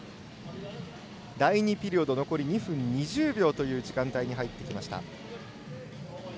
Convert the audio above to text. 第２ピリオド残り２分２０秒という時間帯に入ってきました。